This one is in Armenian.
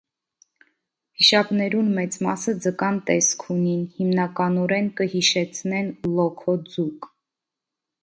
Վիշապներուն մեծ մասը ձկան տեսք ունին, հիմնականօրէն կը յիշեցնեն լոքօ ձուկ։